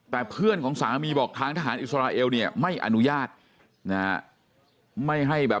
แต่เพื่อนของสามีบอกทางทหารอิสราเอลเนี่ยไม่อนุญาตนะฮะไม่ให้แบบ